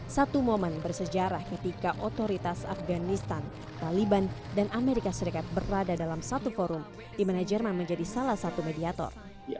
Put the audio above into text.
satu momen bersejarah ketika otoritas afganistan taliban dan amerika serikat berada dalam satu forum di mana jerman menjadi salah satu mediator